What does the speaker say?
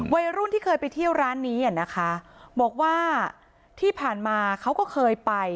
วัยรุ่นที่เคยไปเที่ยวร้านนี้อ่ะนะคะบอกว่าที่ผ่านมาเขาก็เคยไป